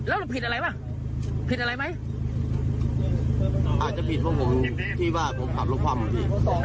อาจจะผิดเพราะผมที่บ้านผมผัดลงความดี